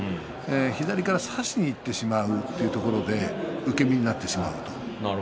左から差しにいってしまうというところで受け身になってしまうと。